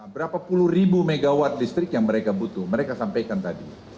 berapa puluh ribu megawatt listrik yang mereka butuh mereka sampaikan tadi